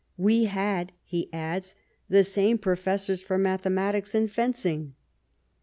" Wc had," he adds, " the same professors for mathematics and fencing."